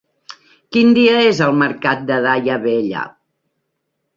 Quin dia és el mercat de Daia Vella?